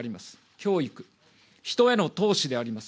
教育、人への投資であります。